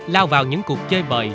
lao vào những cuộc chơi bời